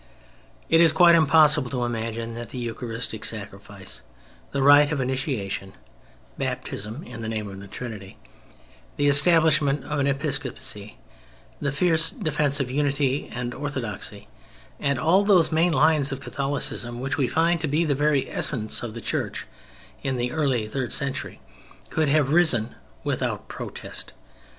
It is quite impossible to imagine that the Eucharistic Sacrifice, the Rite of Initiation (Baptism in the name of the Trinity), the establishment of an Episcopacy, the fierce defence of unity and orthodoxy, and all those main lines of Catholicism which we find to be the very essence of the Church in the early third century, could have risen without protest.